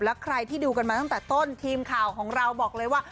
แล้วใครที่ดูกันมาตั้งแต่ต้นทีมข่าวของเราบอกเลยว่า